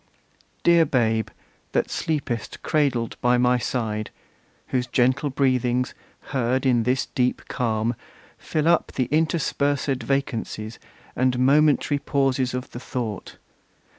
Dear Babe, that sleepest cradled by my side, Whose gentle breathings, heard in this deep calm, Fill up the interspersed vacancies And momentary pauses of the thought!